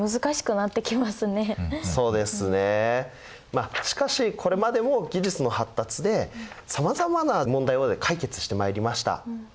まあしかしこれまでも技術の発達でさまざまな問題を解決してまいりました。